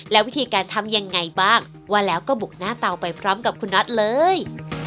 และวิธีการทำยังไงบ้างว่าแล้วก็บุกหน้าเตาไปพร้อมกับคุณน็อตเลย